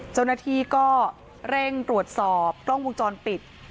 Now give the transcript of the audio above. เจ้าหน้าที่ก็เร่งตรวจสอบกล้องวงจรปิด